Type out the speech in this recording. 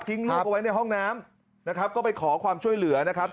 ลูกเอาไว้ในห้องน้ำนะครับก็ไปขอความช่วยเหลือนะครับ